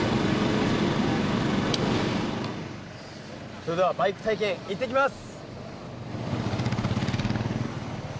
それではバイク体験行ってきます！